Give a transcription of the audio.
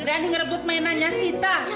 gedean ngerebut mainannya sita